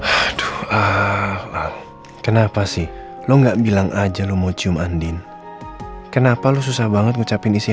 aduh alam kenapa sih lu nggak bilang aja lu mau cium andien kenapa lu susah banget ngucapin isi